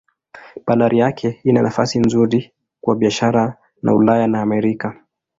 Bandari yake ina nafasi nzuri kwa biashara na Ulaya na Amerika.